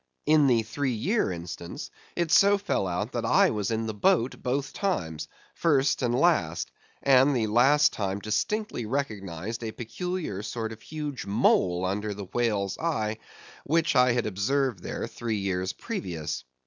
In the three year instance, it so fell out that I was in the boat both times, first and last, and the last time distinctly recognised a peculiar sort of huge mole under the whale's eye, which I had observed there three years previous.